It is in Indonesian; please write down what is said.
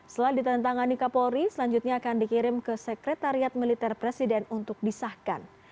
setelah ditentangkan di kepolri selanjutnya akan dikirim ke sekretariat militer presiden untuk disahkan